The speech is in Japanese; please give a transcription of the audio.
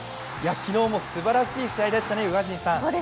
昨日もすばらしい試合でしたね、宇賀神さん。